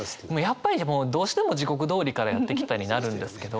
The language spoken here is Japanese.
やっぱりでもどうしても「地獄通りからやって来た」になるんですけど。